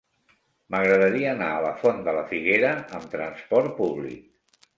M'agradaria anar a la Font de la Figuera amb transport públic.